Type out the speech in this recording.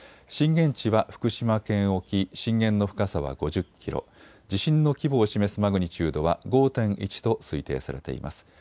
震源地は福島県沖、震源の深さは５０キロ、地震の規模を示すマグニチュードは５．１と推定されています。